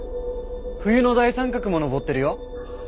冬の大三角も昇ってるよ。